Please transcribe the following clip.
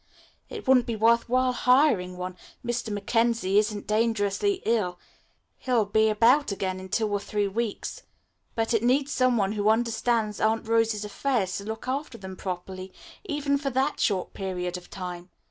It wouldn't be worth while hiring one. Mr. Mackenzie isn't dangerously ill. He'll be about again in two or three weeks. But it needs some one who understands Aunt Rose's affairs to look after them properly, even for that short period of time.